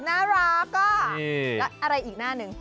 น่ารักอ่ะแล้วอะไรอีกหน้าหนึ่ง